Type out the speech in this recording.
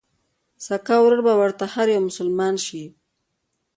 سکه ورور به ورته هر يو مسلمان شي